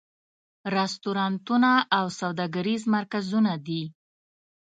رستورانتونه او سوداګریز مرکزونه دي.